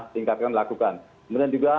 tingkatkan lakukan kemudian juga